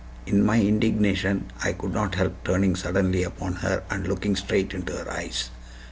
In my indignation I could not help turning suddenly upon her and looking straight into her eyes.